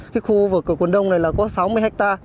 cái khu vực của quần đông này là có sáu mươi hectare